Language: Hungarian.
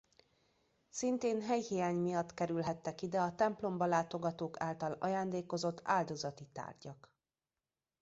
Szintén helyhiány miatt kerülhettek ide a templomba látogatók által ajándékozott áldozati tárgyak.